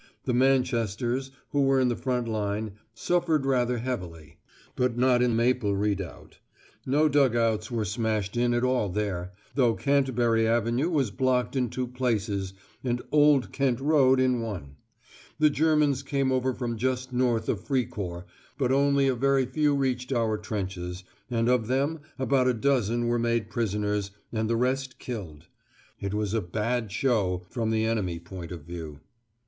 The Manchesters, who were in the front line, suffered rather heavily, but not in Maple Redoubt. No dug outs were smashed in at all there, though Canterbury Avenue was blocked in two places, and Old Kent Road in one. The Germans came over from just north of Fricourt, but only a very few reached our trenches, and of them about a dozen were made prisoners, and the rest killed. It was a "bad show" from the enemy point of view.